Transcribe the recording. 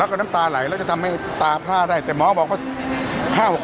แล้วก็น้ำตาไหลแล้วจะทำให้ตาผ้าได้แต่หมอบอกว่า